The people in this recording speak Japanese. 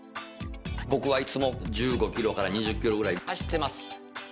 僕はいつも１５ｋｍから２０ｋｍぐらい走ってます。